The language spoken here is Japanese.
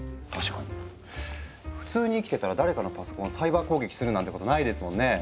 普通に生きてたら誰かのパソコンをサイバー攻撃するなんてことないですもんね。